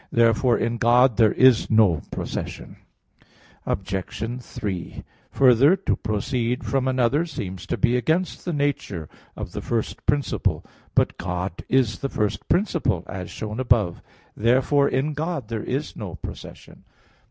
Therefore in God there is no procession. Obj. 3: Further, to proceed from another seems to be against the nature of the first principle. But God is the first principle, as shown above (Q. 2, A. 3). Therefore in God there is no procession.